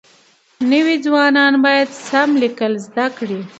نوي ځوانان بايد سم ليکل زده کړي.